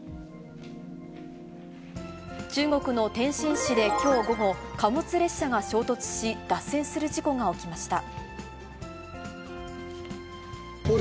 中国の天津市できょう午後、貨物列車が衝突し、脱線する事故が起きました。